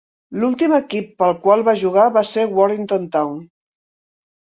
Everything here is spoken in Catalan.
L'últim equip per al qual va jugar va ser Warrington Town.